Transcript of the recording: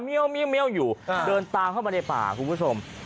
ี้ยวอยู่เดินตามเข้ามาในป่าคุณผู้ชม